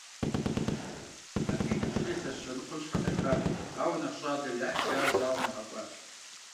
Абы и ныбжьыр илъэс щэ ныкъуэм щхьэдэхат, ауэ нэхъ щӏалэу ятхри, ар зауэм ягъэкӏуащ.